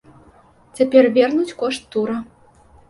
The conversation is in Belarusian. Цяпер вернуць кошт тура.